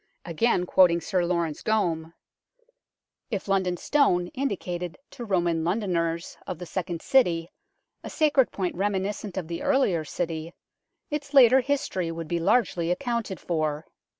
Again quoting Sir Laurence Gomme : "If London Stone indicated to Roman Londoners of the second city a sacred point reminiscent of the earlier city its later history would be largely accounted for.